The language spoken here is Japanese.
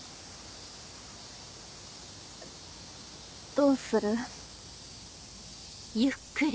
どうする？